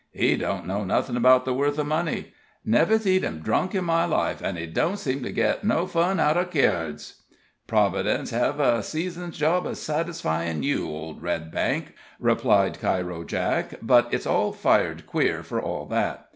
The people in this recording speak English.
He don't know nothin' 'bout the worth of money never seed him drunk in my life, an' he don't seem to get no fun out of keerds." "Providence'll hev a season's job a satisfyin' you, old Redbank," replied Cairo Jake; "but it's all fired queer, for all that.